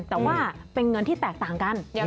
แต่ว่าเป็นเงินที่แตกต่างกัน